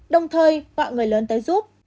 đồng thời gọi người lớn tới giúp